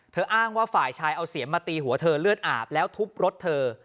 อ้างว่าฝ่ายชายเอาเสียมมาตีหัวเธอเลือดอาบแล้วทุบรถเธอ